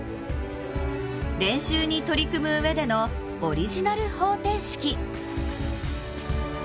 練習に取り組むうえでのオリジナル方程式。